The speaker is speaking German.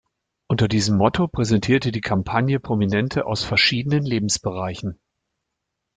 Unter diesem Motto präsentierte die Kampagne Prominente aus verschiedenen Lebensbereichen.